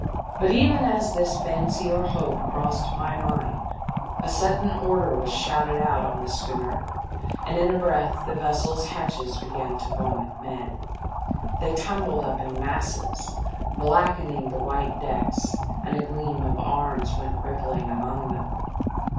But even as this fancy or hope crossed my mind, a sudden order was shouted out on the schooner and in a breath the vessel's hatches began to vomit men. They tumbled up in masses, blackening the white decks, and a gleam of arms went rippling among them.